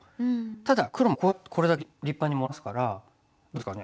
ただ黒もここがこれだけ立派にもらってますからどうですかね。